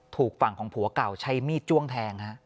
ถูกฝั่งของผัวเก่าใช้มีดจ้วงแทง